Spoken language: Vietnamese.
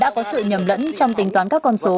đã có sự nhầm lẫn trong tính toán các con số